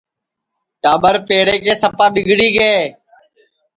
ٹاٻر پیڑے کے سپا ٻِگڑی گے